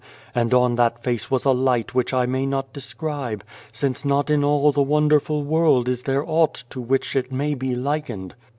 And on that face was a light which I may not describe, since not in all the wonderful world is there aught to which it may be likened.